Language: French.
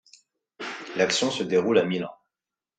L'action se déroule à Milan.